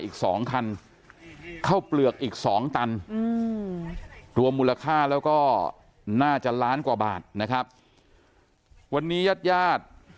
อีกสองคันเข้าเปลือกอีกสองตันรวมมูลค่าแล้วก็น่าจะล้านกว่าบาทนะครับวันนี้ญาติญาติ